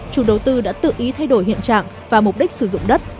chủ đầu tư đã tự ý thay đổi hiện trạng và mục đích sử dụng đất